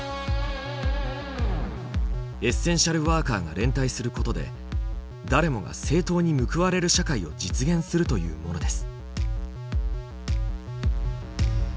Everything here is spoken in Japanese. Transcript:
エッセンシャルワーカーが連帯することで誰もが正当に報われる社会を実現するというものです。